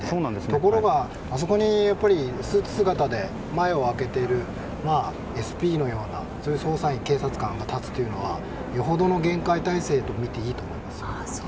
ところが、あそこにスーツ姿で前を開けているＳＰのような捜査員、警察官が立つというのはよほどの厳戒態勢と見ていいと思うんです。